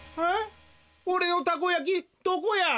おれのたこやきどこや！？